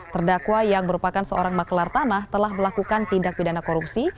terdakwa yang merupakan seorang maklar tanah telah melakukan tindak pidana korupsi